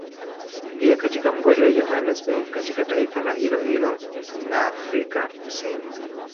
Pia katika mgodi wa Johanesberg katika taifa la hilohilo la Afrika kusini